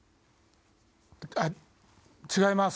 あ違います。